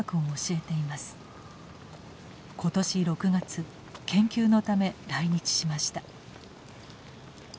今年６月研究のため来日しました。